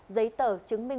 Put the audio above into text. giấy tờ chứng minh